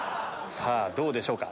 さぁどうでしょうか？